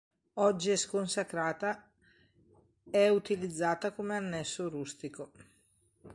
Oggi è sconsacrata è utilizzata come annesso rustico.